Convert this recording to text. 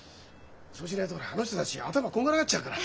そうしないとほらあの人たち頭こんがらがっちゃうから。